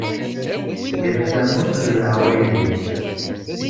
Yal tamurt d leɛwayed-is.